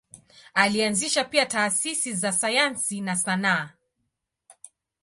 Alianzisha pia taasisi za sayansi na sanaa.